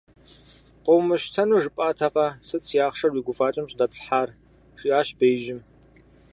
Къыумыщтэну жыпӀатэкъэ, сыт си ахъшэр уи гуфӀакӀэм щӀыдэплъхьар? - жиӀащ беижьым.